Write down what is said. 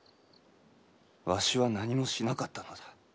わしは何もしなかったのだ。